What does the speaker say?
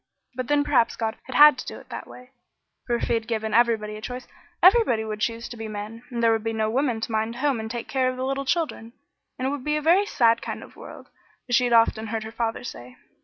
But then perhaps God had to do that way, for if he had given everybody a choice, everybody would choose to be men, and there would be no women to mind the home and take care of the little children, and it would be a very sad kind of world, as she had often heard her father say.